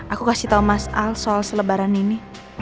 aku kasih tahu mas al soal selebaran ini